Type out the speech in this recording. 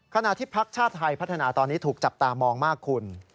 ขณะที่พักชาติไทยพัฒนาตอนนี้ถูกจับตามองมากคุณ